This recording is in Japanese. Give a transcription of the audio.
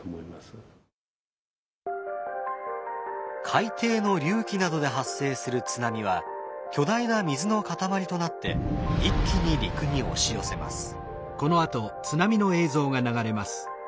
海底の隆起などで発生する津波は巨大な水の塊となって一気に陸に押し寄せます。